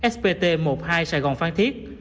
spt một hai sài gòn phan thiết